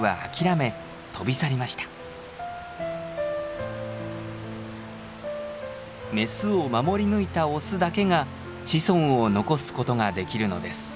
メスを守り抜いたオスだけが子孫を残すことができるのです。